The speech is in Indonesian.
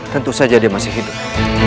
tentu saja dia masih hidup